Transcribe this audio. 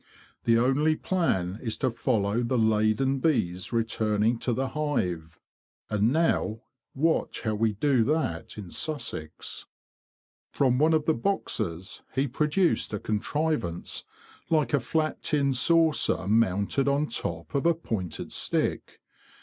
The only plan is to follow the laden bees returning to the hive. And now watch how we do that in Sussex."' From one of the boxes he produced a contrivance like a flat tin saucer mounted on top of a pointed stick.